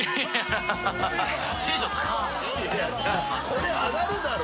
そりゃ上がるだろ。